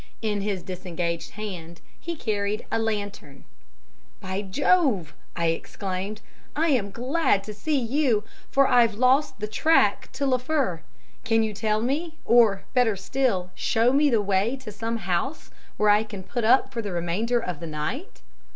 In his disengaged hand he carried a lantern. "'By Jove!' I exclaimed, 'I am glad to see you, for I've lost the track to Liffre. Can you tell me, or, better still, show me, the way to some house where I can put up for the remainder of the night?'